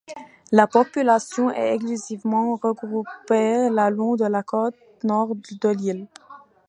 La population est exclusivement regroupée le long de la côte nord de l'île.